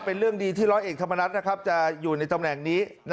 เป็นเรื่องดีที่ร้อยเอกธรรมนัฐจะอยู่ในตำแหน่งนี้